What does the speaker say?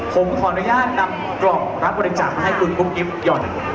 ขออนุญาตนำกร่องรัฐบริษัทของคุณคุ้ข์กิฟต์